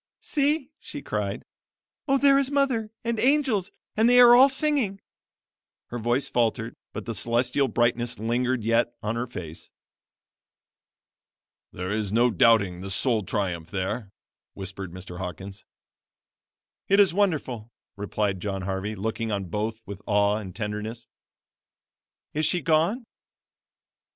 "See!" she cried; "Oh, there is mother! and angels! and they are all singing." Her voice faltered, but the celestial brightness lingered yet on her face. "There is no doubting the soul triumph there," whispered Mr. Hawkins. "It is wonderful," replied John Harvey, looking on both with awe and tenderness. "Is she gone?"